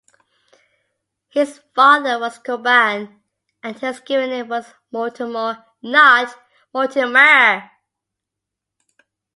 His father was Cuban and his given name was Mortimo, not Mortimer.